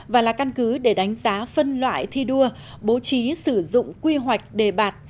và là căn cứ để đánh giá phân loại thi đua bố trí sử dụng quy hoạch đề bạt